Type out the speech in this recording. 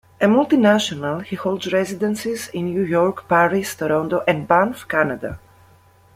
A multinational, he holds residences in New York, Paris, Toronto and Banff, Canada.